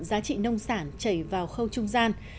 giá trị nông sản chảy vào khâu trung gian